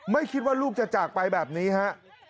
ไม่คิดว่าลูกจะจากไปแบบนี้ฮะ